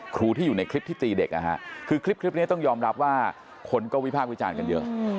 ครูที่อยู่ในคลิปที่ตีเด็กนะฮะคือคลิปนี้ต้องยอมรับว่าคนก็วิพากษ์วิจารณ์กันเยอะ